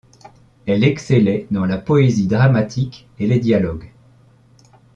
Elle excellait dans la poésie dramatique et les dialogues.